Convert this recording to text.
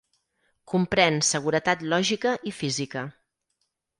Comprèn seguretat lògica i física.